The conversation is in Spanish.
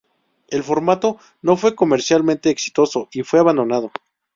El formato no fue comercialmente exitoso y fue abandonado.